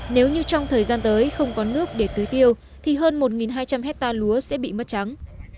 nếu như trong thời gian tới không có nước để tưới tiêu thì hơn một hai trăm linh hectare lúa sẽ bị mất trắng